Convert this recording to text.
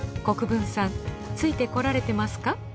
国分さんついてこられてますか？